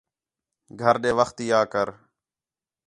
گھر ݙے وَخت تی آ کر